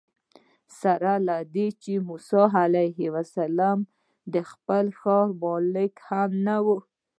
سره له دې چې موسی علیه السلام د خپل ښار ملک هم نه و.